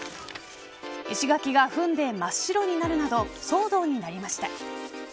石垣やふんで真っ白になるなど騒動になりました。